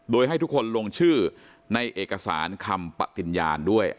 โดยให้ทุกคนลงชื่อในเอกสารคำปฏิญญาณด้วย